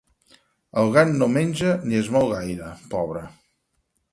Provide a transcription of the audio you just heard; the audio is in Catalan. El gat no menja ni es mou gaire, pobre.